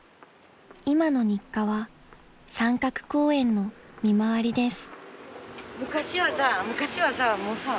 ［今の日課は三角公園の見回りです］